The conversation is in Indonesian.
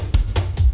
ya aku sama